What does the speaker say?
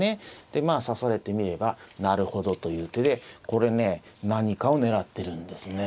でまあ指されてみればなるほどという手でこれね何かを狙ってるんですね。